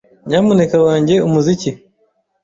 Nyamuneka wange umuziki.